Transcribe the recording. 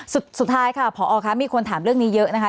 สุดท้ายค่ะผอคะมีคนถามเรื่องนี้เยอะนะคะ